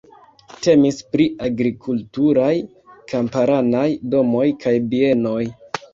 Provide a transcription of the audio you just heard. Temis pri agrikulturaj kamparanaj domoj kaj bienoj.